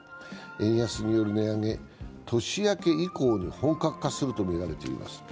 円安による値上げ、年明け以降に本格化するとみられています。